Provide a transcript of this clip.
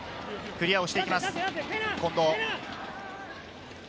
クリアをしてきます。